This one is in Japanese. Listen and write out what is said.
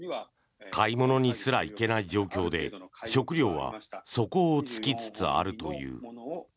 買い物にすら行けない状況で食料は底を突きつつあるという。